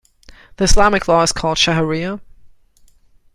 The Islamic law is called shariah.